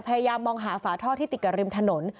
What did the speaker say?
พยายามมองหาฝาท่อที่ติดกับริมถนน